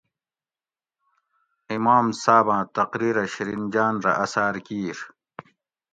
امام صاۤباۤں تقریرہ شیرین جان رہ اثاۤر کیر